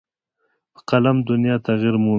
په قلم دنیا تغیر مومي.